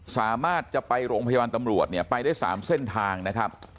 สามารถจะไปโรงพยาบาลตำรวจเนี่ยไปได้๓เส้นทางนะครับ